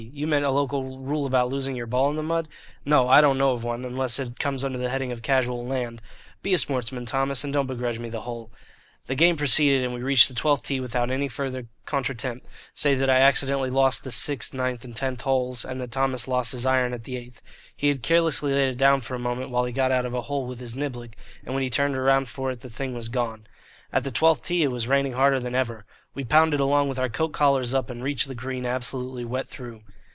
You meant a local rule about losing your ball in the mud? No, I don't know of one, unless it comes under the heading of casual land. Be a sportsman, Thomas, and don't begrudge me the hole." The game proceeded, and we reached the twelfth tee without any further contretemps; save that I accidentally lost the sixth, ninth and tenth holes, and that Thomas lost his iron at the eighth. He had carelessly laid it down for a moment while he got out of a hole with his niblick, and when he turned round for it the thing was gone. At the twelfth tee it was raining harder than ever. We pounded along with our coat collars up and reached the green absolutely wet through.